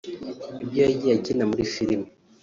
Ibyo yagiye akina muri film